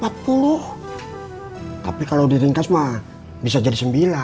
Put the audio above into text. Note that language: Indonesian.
tapi kalau diringkas mah bisa jadi sembilan